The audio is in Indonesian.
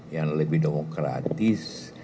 yang lebih demokratis